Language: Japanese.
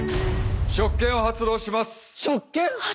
「職権を発動します」